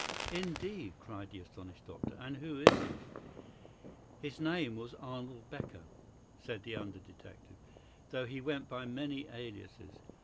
"Indeed!" cried the astonished doctor, "and who is he?" "His name was Arnold Becker," said the under detective, "though he went by many aliases.